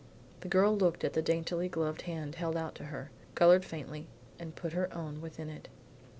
The girl looked at the daintily gloved hand held out to her, colored faintly, and put her own within it.